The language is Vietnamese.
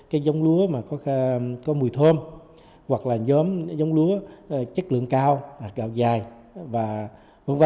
cái giống lúa mà có mùi thơm hoặc là giống lúa chất lượng cao gạo dài và v v